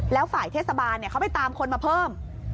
แล้วฝ่ายเทศบาลเขาไปตามคนมาเพิ่ม